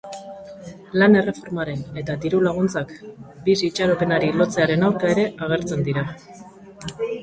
Lan erreformaren eta diru-laguntzak bizi itxaropenari lotzearen aurka ere agertzen dira.